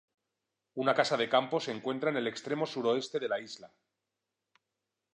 Una casa de campo se encuentra en el extremo suroeste de la isla.